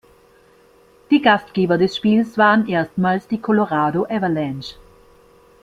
Die Gastgeber des Spieles waren erstmals die Colorado Avalanche.